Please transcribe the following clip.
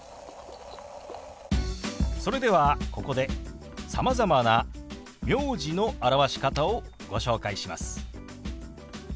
それではここでさまざまな名字の表し方をご紹介します。